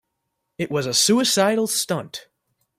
It was a suicidal stunt.